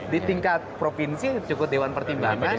di tingkat provinsi cukup dewan pertimbangan